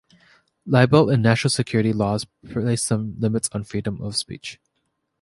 Libel and national security laws place some limits on freedom of speech.